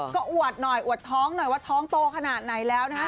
ก็อวดหน่อยอวดท้องหน่อยว่าท้องโตขนาดไหนแล้วนะฮะ